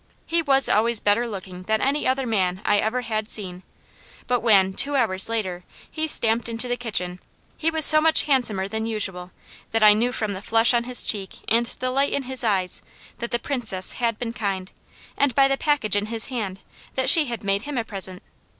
He was always better looking than any other man I ever had seen, but when, two hours later, he stamped into the kitchen he was so much handsomer than usual, that I knew from the flush on his cheek and the light in his eye, that the Princess had been kind, and by the package in his hand, that she had made him a present.